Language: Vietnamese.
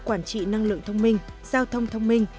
quản trị năng lượng thông minh giao thông thông minh